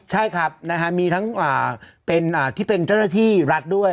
ใช่ครับมีทั้งที่เป็นเจ้าหน้าที่รัฐด้วย